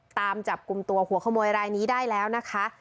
ตามจับกลุ่มตัวหัวขโมยรายนี้ได้แล้วนะคะ